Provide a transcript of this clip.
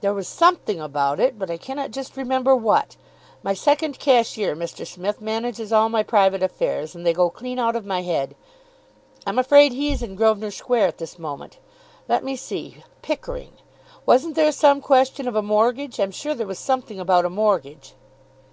"There was something about it, but I cannot just remember what. My second cashier, Mr. Smith, manages all my private affairs, and they go clean out of my head. I'm afraid he's in Grosvenor Square at this moment. Let me see; Pickering! Wasn't there some question of a mortgage? I'm sure there was something about a mortgage."